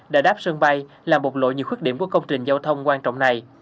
đã đáp sân bay làm bột lộ nhiều khuất điểm của công trình giao thông quan trọng này